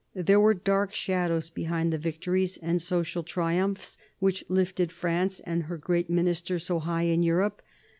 There were dark shadows behind the victories and social triumphs which lifted France and her great Minister so high in Europe.